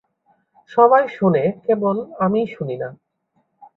সবাই শুনে কেবল আমি শুনিনা।